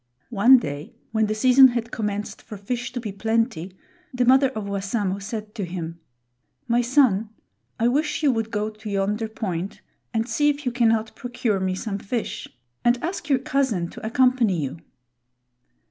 One day, when the season had commenced for fish to be plenty, the mother of Wassamo said to him: "My son, I wish you would go to yonder point and see if you cannot procure me some fish, and ask your cousin to accompany you."